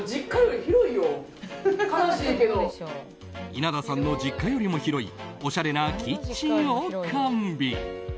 稲田さんの実家よりも広いおしゃれなキッチンを完備。